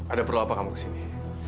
ada perlu apa kamu ke sini